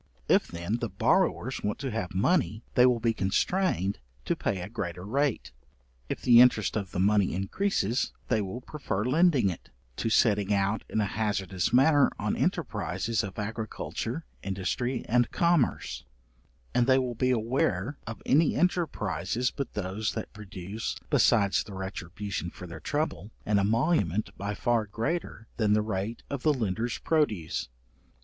If, then, the borrowers want to have money, they will be constrained to pay a greater rate. If the interest of the money increases, they will prefer lending it, to setting out in a hazardous manner on enterprizes of agriculture, industry, and commerce: and they will be aware of any enterprizes but those that produce, besides the retribution for their trouble, an emolument by far greater than the rate of the lender's produce.